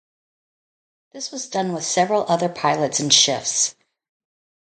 This was done with several other pilots in shifts.